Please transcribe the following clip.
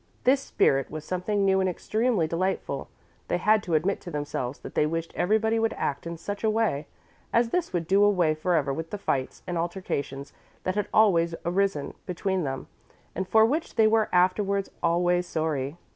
This spirit was something new and extremely delightful. They had to admit to themselves that they wished everybody would act in such a way, as this would do away forever with the fights and altercations that had always arisen between them, and for which they were afterwards always sorry.